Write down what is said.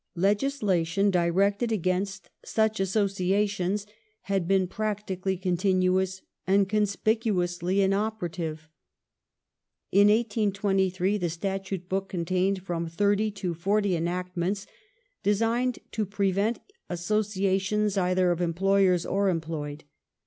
legis lation directed against such associations had been practically con tinuous and conspicuously inoperative. In 1823 the Statute book contained from thirty to forty enactments designed to prevent associations either of employei*s or employed.